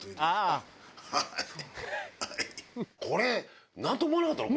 これなんとも思わなかったの？